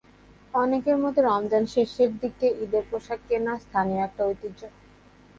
অনেকের মতে, রমজানের শেষ দিকে ঈদের পোশাক কেনা স্থানীয়দের একটা ঐতিহ্য।